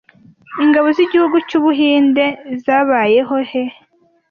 Ingabo zigihugu cyu Buhinde (INA) zabayeho he